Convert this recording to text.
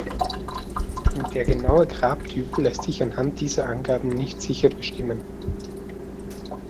Der genaue Grabtyp lässt sich anhand dieser Angaben nicht sicher bestimmen.